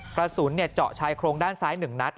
กระสุนเจาะชายโครงด้านซ้าย๑นัด